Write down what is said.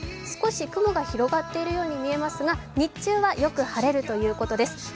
少し雲が広がっているように見えますが、日中はよく晴れるということです。